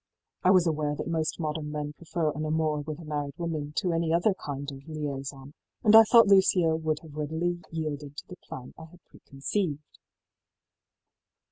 I was aware that most modern men prefer an amour with a married woman to any other kind of liaison, and I thought Lucio would have readily yielded to the plan I had preconceived.